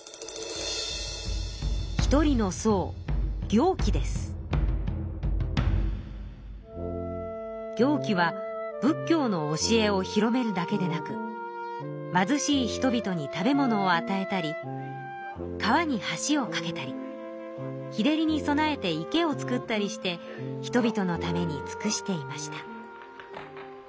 １人のそう行基は仏教の教えを広めるだけでなく貧しい人々に食べ物をあたえたり川に橋をかけたり日照りに備えて池を造ったりして人々のためにつくしていました。